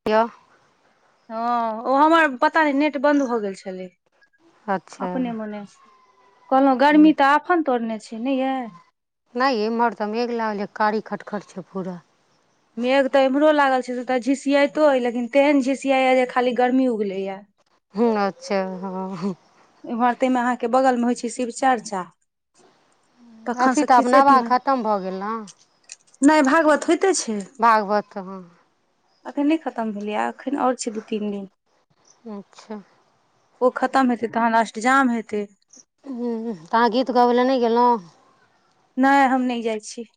[unintelligible] हँ ओ हमर पता नहि नेट बन्द भऽ गेल छलै अच्छा अपने मोने कहलहुँ गर्मी तऽ आफन तोड़ने छै नहि यै नहि ये एम्हर तऽ मेघ लागल यऽ कारी खट - खट छै पूरा मेघ तऽ एम्हरो लागल छै से तऽ झिसियतो लेकिन तेहन झिसिया या जे खाली गर्मी उगले य हूँ अच्छा हँ हूँ एम्हर ताहिमे अहाँके बगलमे होइ छै शिव चर्चा तखन अथी से तऽ आब खिसे नबाह पिया खत्म भऽ गेल नऽ नहि भागवत होइते छै भागवत हँ अखैन नहि खत्म भेलैए अखैन आओर छै दू तीन दिन अच्छा ओ खत्म हेतै तहन अष्टजाम हेतै हूँ तऽ अहाँ गीत गाबै लऽ नहि गेलहुँ नहि हम नहि जाई छी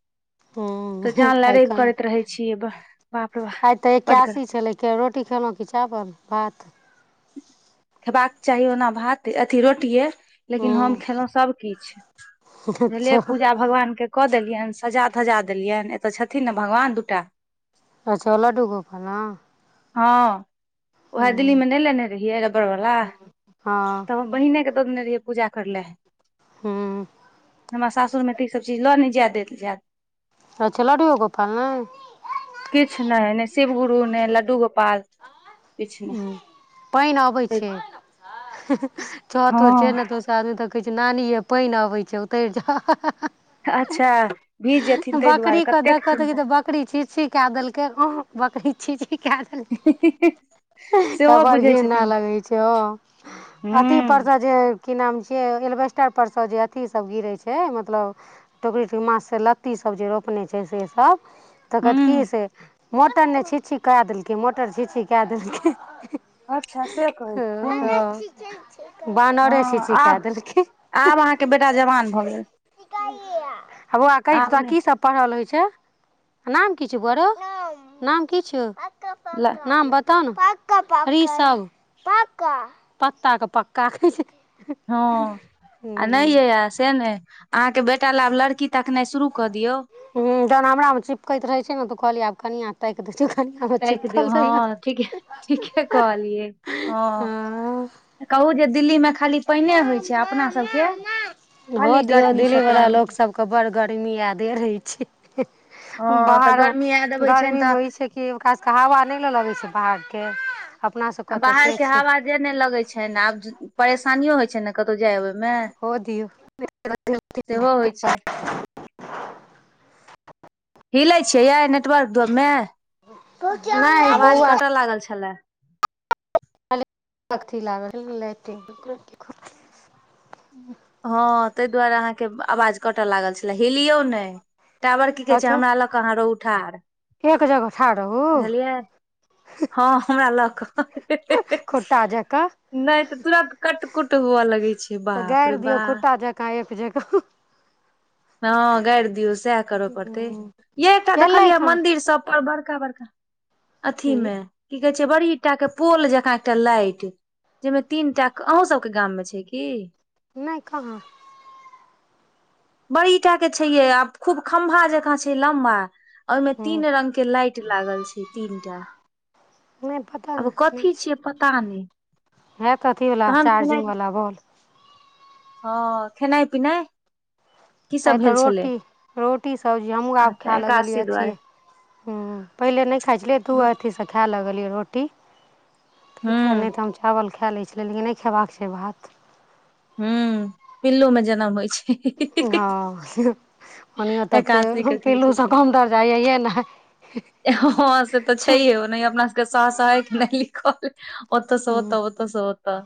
तऽ हूँ जान आइ रबि करैत कहाँ रहै छी बाप रो बाप आइ तऽ बड गरम एकादशी छलै किया रोटी खयेलहुँ की चावल भात खेबाक चाही ओना भात अथि रोटिये हूँ लेकिन हम खेलहुँ सभकिछ भेलय अच्छा पूजा भगवान केँ कऽ देलियैन सजा धजा देलियैन एतय छथिन नऽ भगवान दू टा अच्छह लड्डू गोपाल नऽ हँ वेहै दिल्ली मे नहि लेने रहियै रबड़ वाला तऽ हँ हम बहिने के दऽ देने रहिये पूजा करै लऽ हूँ हमरा सासुर मे त ई सब चीज ल नै जाय देत जायत अच्छह लडुये गोपाल नऽ किछ नहि नै शिव गुरु नै लड्डू गोपाल किछु नहि पानि आबै छै छत पर छिये नऽ हँ तऽ ओ सब [unintelligible] तऽ कहै छै नानीे यै पाइन अबै छै उतैर जाउ अच्छा भीज जेथिन ताहि दुआरे बकरी के कतेक देखऽ तऽ चिन्ता तऽ बकरी छिछी केय देलक उहु बकरी छिछी कै देल [inaudible] एकरा सेहो बड़ बुझै घृणा छथिन लगै छै हँ अथि पर हूँ सँ जे की नाम छियै एलबेस्टर पर सँ जे अथिसभ गिरै छै मतलब टोकरीट मा सँ लत्तीसभ जे रोपने छै सेसभ तऽ कहत की हूँ से मोटर नहि छिछी कए देलकै मोटर छिछी कए देलकै अच्छा से कहै छथिन हँ बानरे छीछी केए आब देलकै आब अहाँके बेटा जवान भऽ गेल बौआ कहि तऽ आब तोरा नहि की सब पढ़ल होइ छै नाम कि छियो बौआ रे नाम कि छियौ ल नाम बताउ ने रिसभ पका पत्ता के पका कहय छय हँ आ न य से ने अहाँके बेटा ल आब लड़की देखनाइ शुरू क दियौ ह जहन हमरा मे चिपकैत रहै छै ने त कहलियै आब कनिया ताक दै छै कनिया मे ताकि दियौ चिपकल रहीये हँ ठीके ठीके कहलियै हँ कहू जे दिल्ली में खाली पैने होइ अपना सबके खाली गर्मी से प्राणी कबर गर्मी यादे रहे छै कि हँ तऽ गर्मी आय देबै छनि तऽ ओकरा सबके हवा नय ने लगै छै बाहर के अपना आ सबके तऽ बाहर से के छै हवा जे नय लगै छैन आब परेशानियो होइ छै ने कतो जाय आबे मे हो दियौ सेहो होइ छै हिलै छियै य नेटवर्क मे नहि आवाज बौआ कट लागल छलै [unintelligible] लागल लेट हँ तहि दुआरे अहाँके आवाज कटय लागल छलै हिलियौ ने टावर की कहे छै अथी हमरा ल के अहाँ रौठ एक [unintelligible] जगह ठाढ़ रहू बुझलियै हँ हमरा ल क खुँटा जा का नय त तुरंत कट कुट हुए लगे छै बाप रे बा कायके जका हँ गाइर दियौ सएह कर पड़तै यह एकटा एलै देखलियै कहाँ मंदिर सब पर बड़का बड़का की अथी मे की कहै छै बड़ीटा के पोल जकाँ एकटा लाइट जहिमे तीन टा अहूं सबके गाम में छै की नय कहाँ बड़ी टाक के छैये आब खूब खम्भा जकाँ छै लम्बा ओहिमे हूँ तीन रंग के लाइट लागल छै तीनटा नहि पता आब कथी छिय पता नय हे क अथी वाला चार्जिंग वला बॉल हँ खेना पिना आइ त रोटी रोटी सब्जी हमहूँ आब अच्छा खाय लगलियै एकादशी दुआरे अथि ह पहिले नहि खाइ छले त अथी से खेय लगलियै रोटी तऽ हूँ नय तऽ हम चावल खाय ले छै लेकिन नहि खेबाक कऽ छै भात हं पिल्लू में जनम होई छै हाँ ओन तऽ फे एकादशी के कहै पी्लूसँ कम दर्जा अहिए ने हाँ से तऽ छैे ओनहिओ अपना सब के से नहि लिखल ओतऽ सेत ओतऽ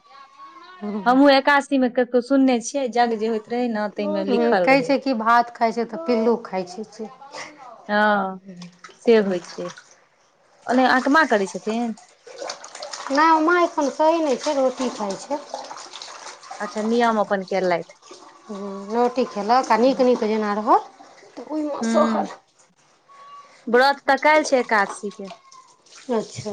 हमहुँ एकादशी में कतो सुनने छियै जज्ञ जे हो कहै छै कि भात खाई छै तऽ पिल्लू खाई छै से हाँ से होए छै ओने आहाँ के माँ करै छथिन ना माँ एखन पाइन सही नय छै रोटी खाई छै अच्छा नियम अपन के लयथ हाँ रोटी खेलक आ नीक नीक जेना रहल हाँ व्रत तऽ काहिल छै एकादशी के अच्छा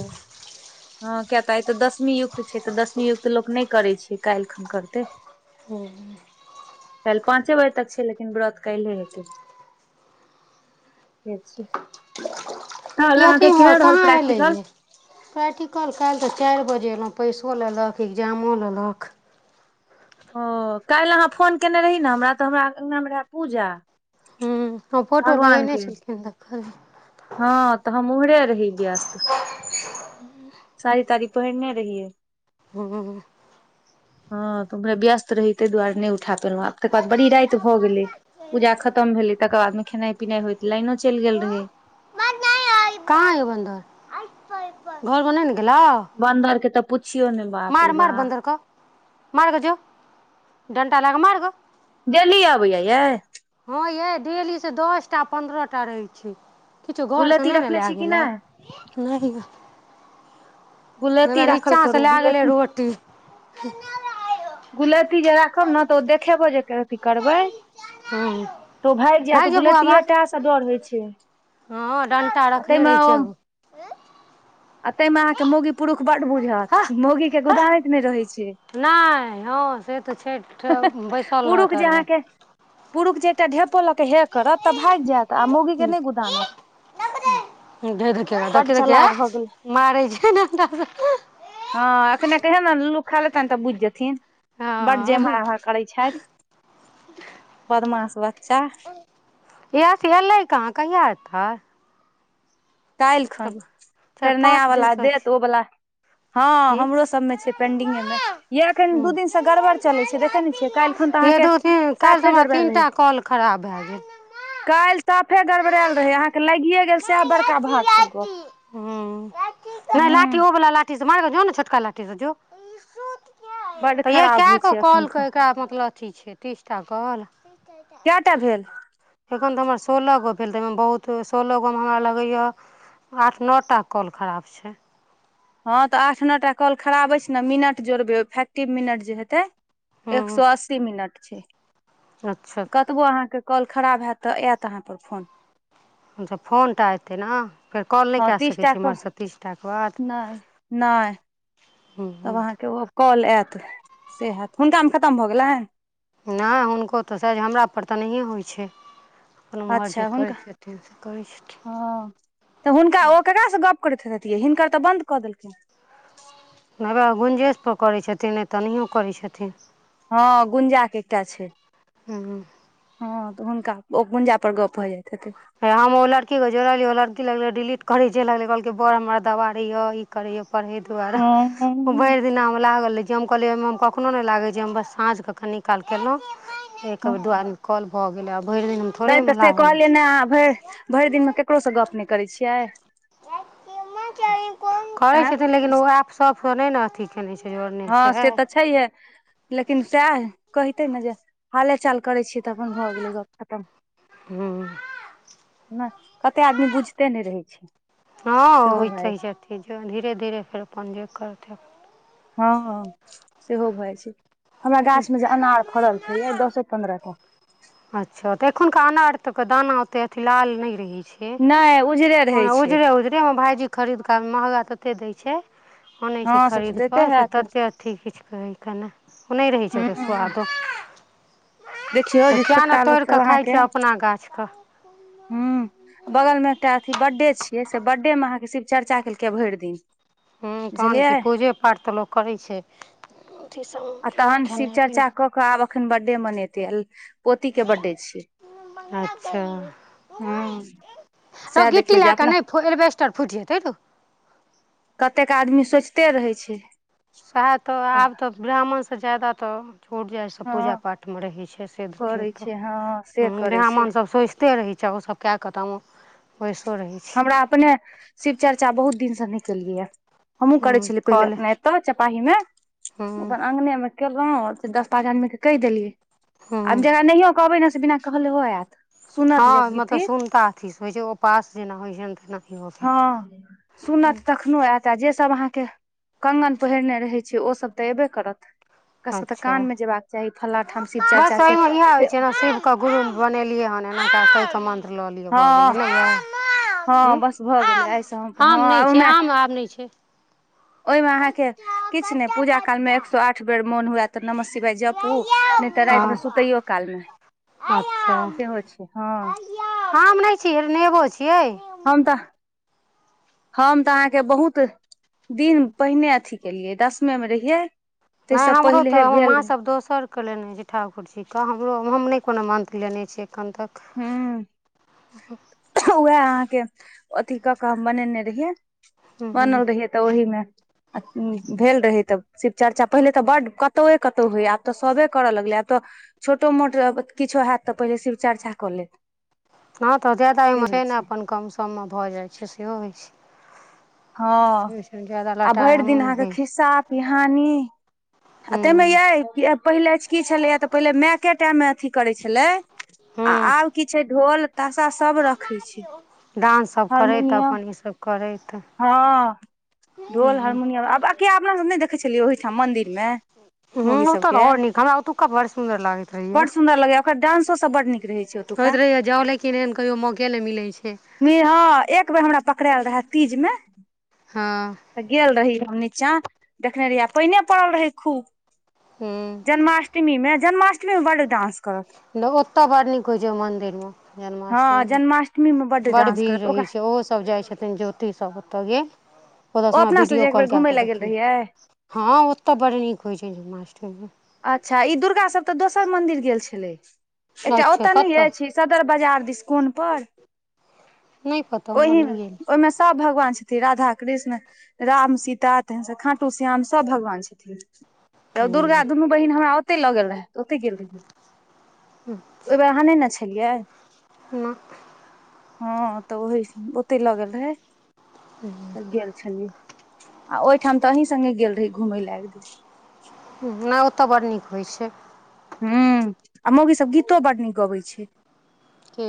हँ किया तऽ आइ तऽ दसमी युक्त छै तऽ दसमी युक्त लोक नहि करैत छै, काल्हि खन करते हूँ। काल्हि पाँचे बजे तक छै, लेकिन व्रत काल्हि हेतै। ई तल अहाँकेँ के अथीमे रहल कहाँ प्रैक्ट एलै ये प्रैक्टिकल काल्हि तऽ चार बजे अयलहुँ पैसो लेलक एग्जामो लेलक ओ काल्हि अहाँ फोन केयने रही ने हमरा त हमरा अंगनमे रहय पूजा हा, ओ फोटो लगेने छलखिन देखल हाँ तऽ हम उमहरो रहि बेस्त सारी तारी पहिरने रहिये। हु। हाँ तऽ हमरा व्यस्त रही ताहि दुआरे नहि उठा पेलहुँ आब तकर बाद बड़ी राति भऽ गेलै। पूजा खत्म भेलै तकर बाद मे खेनाइ पिनाइ होयत लाइनो चलि गेल रहे कहा ये बन्दर घर मे उपड़ उपड़ नहि ने गेलौ बन्दर के तऽ पुछियौ ने। बाप मार रौ मार बन्दर बाप कऽ मार जो डंटा लऽ कऽ मार गऽ डेल्ली आबैय यै हाँ ये डेली से दसटा पंन्द्रहटा रहै छै। किछो घरसँ गुलती नै रखने लए छी कि गेले नहि नहिं गुलती हआ राखल नीचा सँ करू लए गेलै गुलती रोटी गुलेती जे राखब ने तऽ ओ देखेबो जे अथि करबै हाँ। तो भागि जाय तऽ गुलेतीटा से डर होई छै हाँ, डण्टा आ रखने ताहिमे रहै छै एगो आ ता मे अहाँ कऽ मौगी पुरुख बड़ बुझत मौगी के गुदानैत नहि रहै छै नै हा से तऽ छै बैसल पुरुख रहत जे आओर वएह अहाँकेँ पुरुख जे एकटा ढेपो लऽ के हे करत तऽ भागि जायत तऽ आ मौगीके नहि गुदानत धे देखियौ बड़ देखियौ देखियौ चलाक भऽ गेल मारै छै डण्टा सँ हाँ एखने के ने ल्लू खा लेतनि तऽ बुझि जेथिन बड़ जे हँ मा करै छैथ बदमाश बच्चा गेस एलै कहा कहिआ ऐतैय काहिल खन चारि फेर नया पाँच वला दिनसँ छै देत ओ वला हाँ की हमरो सभ मे छै पेंडिंगे मे यह एखन हूँ दू दिन मसँ गड़बड़ चलै छै देखे ने छियै काल्हि खन तऽ ये अहाँकेँ दू काल्हि तऽ हमरा तीनटा कॉल खराब भऽ गेल काल्हि साफे गड़बड़ायल रहै अहाँकेँ लागिए गेल सएह बड़का भाग के गप्प हूँ नहि लाठी ओ वाला लाठी से मारने छोटका लाठी से जो एक सो क्या बड तऽ यह खराब कए होइ गो छै एखन कल के तऽ एकरा मतलब अथि छै तीस टा काॅल केटा भेल एखन तऽ हमर सोलह गो भेल तऽ ओहिमे बहुत सोलह गो मे हमरा लगैए आठ नोटा कॉल खराब छै। हँ तऽ आठ नो टाआ कॉल खराब अछि छै, ने मिनट जोड़बै फैक्टिव मिनट जे हेते एक सो हूँ अस्सी मिनट छै। अच्छा। कतबो अहाँकेँ कॉल खराब हयैत तऽ आयत अहाँ पर फोन फोन टा एतै ने फेर कॉल नहि हँ कए तीस सकै टा छी क एम्हर स तीसटा के बाद नहि नहि हूँ तब हूँ अहाँके ओ कॉल आयत से होयत हुनका मे खतम भऽ गेलनि नहि हुनको तऽ सज हमरा पर तऽ नहिए होइ छै अपन ओम्हर जे करै छथिन से करै छथिन हाँ तऽ हुनका ओ केकरा सँ गप करैत हतियै हिनकर तऽ बंन्द कऽ देलखिन होबै गुंजेश पर करै छथिन नहि तऽ नहियो करै छथिन हाँ गुंजा के एकटा छै हूँ हाँ तऽ हुनका ओ गुंजा पर गप भऽ जाइत हेतन हे हम ओ लड़कीे जोड़लियै ओ लड़की लगले डिलीट करी जे लगले कहलकै बड़ हमर दवाारे ये ई करेए तहि दुआरे हँ वो भेर दिना लागल रह जे हम कहलियै ओ मे कखनो नहि लाग छै हम बस साँझ के कनि काल केलहु एक बेर दू हँ आदमी कल भऽ गेलै आ भेर दिन थोड़े नहि ऐ म तऽ हम से लागल कहलियै ने अहाँ भेर भेर दिनमे ककरोसँ गप नहि करैय छियै करै आँ छथिन लेकिन पुछि अहाँ ऐप सभसँ नहि ने अथी कने छै हँ से छै तऽ छैहे लेकिन सएह कहते ने जे हाले चाल करै छियै तऽ अपन भऽ गेलै गप खतम हूँ नहि कते आदमी बुझते नहि रहै छै हँ सेहो ओ भए सही छथिथ धीरे धीरे फेर अपन जे करथि हँ सेहो भए जा छै हमरा गाछ मे जे अनार फड़ल छै य दसो पन्द्रह टा अच्छा तऽ एखुनका अनार त के दाना ओते अथ लाल नहि रहे छै नहि उजरे ओ रहै छै उजरे उजरे हम भायजी खरीद कऽ महगा तते दै छै आनैत छै हँ से तऽ खरीद दैते कऽ से हैत ततेक अथी कुछ कहै क नहि ओ नहि रहै छै ओ ह सुआादो देखियौ जे किया ने छोटका लोक तोड़ि सब कऽ खाइ छिय अपना गाछके हूँ बगलमे एकटा अथी बर्थडे छियै से बर्थडे मे अहाँके शिव चर्चा केलकै भेर दिन हुँ तहन कि बुझलियै पूजे पाठ तऽ लोक करै छै अथी सभ खाना पीना कब अखन बडडेए मनेते पोती के बडडे छीये पिनाइ अच्छा हुँ सेह देखियौ जे अपना एबेस्टर फुटि जएतै रो कतेक आदमी सोचिते रहै छै साहे तो आ आब ते ब्राह्मण से जादा ते छूट जाय छै सब पूजा हँ पाठ मे रहे छै से देखियौ करै त छै हँ से करै छै ब्राह्मण सोच ओते रहै छै ओसभ कए कऽ तऽ बैसो रहै छी हमरा अपने शिव चर्चा बहुत दिन से नहि केलियै या हमहुँ करै हूँ छलियै कॉल पहिले तऽ चपााही में अपन हूँ अङंगगने में केलहु दस पाँच आदमी के कहि देलियै आब हूँ जेकरा नहियओ कहबै ने से बिना कहले ऐत हँ मतलब सुनता अथी स होइ छै उपास जेना होइ छैनि ने तेना हँ सुनत तख कखनो एत आ जे सब अहाँके कंगन पहिरने रहै छै ओ सब तऽ एबे करत नकासब के अच्छा कानमे जेयबाक चाही फलना ठाम शिव चर्चा छै से के गुरु बनेलियै हन एना त मन्त्र लऽ लियअ हँ भऽ गेल एना य हँ बस भऽ गेलै आऐसँ हम अपन आम हँ नहि छै ओमे आम आब नहि छै ओय में अहाँ के किछु ने पूजा काल में एक सौ आठ बेर मोन हुएत तऽ नमः शिवाय जपू नय तऽ रा इतमे हँ सुतैयो काल मे अच्छा सेहो छै हँ आम नय छियै नेबो छियै हम तऽ हम तऽ अहाँके बहुत दिन पहिने अथी केलियै दसमे मे रहियै नय ताहिसँ हमरो तऽ पहिलेहे हम भेल रहै माँसब दोसर कलेने छै ठाकुर जीके हमरो हम नहि कोनो मन्त्र लेने छी एखन तक ह उएह अहाँके अथी कऽ केऽ हम बनेने रहियै बनल हँ रहियै तऽ ओहिमे भेल रहै तब शिव चर्चा पहिले तऽ बड कतौए कतौ होइ आब तऽ सबे करय लगलै आब तऽ छोटो मोट किछो हयत तऽ पहिले शिव चर्चा कऽ लेत हँ तऽ जायदा से एहिमे होइ छै ने अपन कम सम म भऽ जाइ छै सेहो होइ छै हँ जादा आ लटार भरि दिन हमहूँ नहि अहाँके होइ छी खिस्सा पिहानी आ हूँ तइमे यह पहिले की छलैए तऽ पहिले मायके टाइममे अथी करै छलै आ हूँ आब की छै ढोल पाशा सब रख डान्ससभ करैत अपन ईसभ करैत हँ ढोल हूँ हारमुनियम आबकिया अपना सब नय देखै छलियै ओहिठाम मंन्दिर मे ह मौगी ओतय तऽ सबके आओर नीक हमरा ओतुका बड़ सुन्दर लागैत रहियए ओ सब बड नीक रहै छै ओतुका होइत रहैए जाउ लेकिन एहन कहियो मौके नय मिलै छै ने हं एक बेर हमरा पकड़यल रहय तीजमे हँ तऽ गेल रही हम नीचाँ देखने रहियै आ पाइन ने पड़ल रहै हूँ खूब जन्माष्टमीमे जन्माष्टमीमे बड डानंस करत न ओतय बड़ नीक होइ छै मन्दिरमे हँ मे बड्ड जन्माष्टमी बड़ डांस भीड़ करत रहै ओकरा छै होसब जाइ छथिन ज्योतिसब ओतय गेल ओ ओतयसँ हमरा अपना सब वीडियो जे एक बेर कॉल क घुमय के लए गेल देखै रहियै हँ ओतऽ बड नीक होइ छय मासट अच्छा ई दुर्गा सब तऽ दोसर मंदिर गेल छले एकटा अच्छा ओतऽ नय कतऽ अइछ सदर बाजार दिसन कौन पर नहि पता उमहर ओइमे नहि गेल ओहि सब भगवान छइथ राधा कृष्ण राम सीता तेनसब खाँटू श्याम सब भगवान छथिन तऽ दुर्गा दुनू बहीन हमरा ओतय लगल रहय तऽ ओतय गेल रहि तऽ ओय बेर अहाँ नय ने छलियै ना हँ तऽ ओहि स ओतय ल गेल रहय त गेल छलियै आ ओहिठाम तऽ अही सङ्गे गेल रही घूमय ल एक दिन न ओतऽ बड़ नीक होइ छै ह आ मौगी सब गीतो बड नीक गबै छै के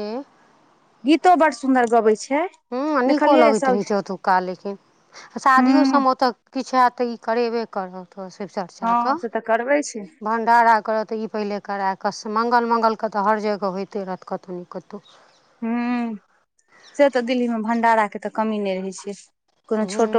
गीतो बड़ सुंन्दर गबै छै। हँ निको देखलियै लगैत सब रहैत छै ओतुका लेकिन शादियो हूँ सभमे ओतय किछु हयैत तऽ ई करेबे करत हँ शिवचर्चा के से तऽ करबै छै भण्डारा करत तऽ ई। पहिले करा कऽ मंगल मंगलके तऽ हर जगह होइते रहत कतहु नहि कतहु हू, से तऽ दिल्ली मे भंडारा के तऽ कमी नहि रहे छै, कोनो कतहु छोटो